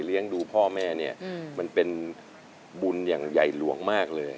ดูพ่อแม่เนี่ยมันเป็นบุญอย่างใหญ่หลวงมากเลย